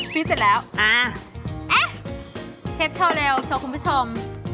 พริกเสร็จแล้วอ่าแอ๊ะเชฟชอบแล้วชอบคุณผู้ชม